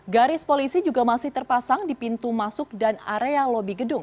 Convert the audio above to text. garis polisi juga masih terpasang di pintu masuk dan area lobi gedung